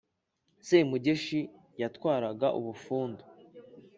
Semugeshi yatwaraga Ubufundu.